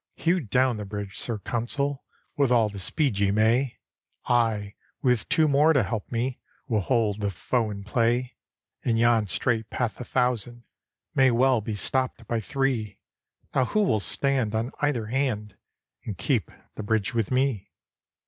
"Hew down the bridge, Sir Consul, With all the speed ye may; I, with two more to help me, Will hold the foe in play. In yon strait path a thousand May well be stopped by three. Now who will stand on either hand, And keep the bridge with me?"